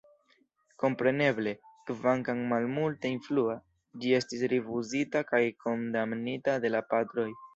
Kompreneble, kvankam malmulte influa, ĝi estis rifuzita kaj kondamnita de la Patroj.